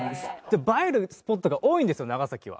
映えるスポットが多いんですよ長崎は。